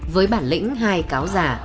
với bản lĩnh hai cáo giả